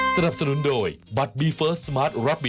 สวัสดีครับ